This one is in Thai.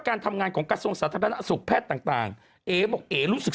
การทำงานของกระทรวงสาธารณสุขแพทย์ต่างเอ๋บอกเอ๋รู้สึก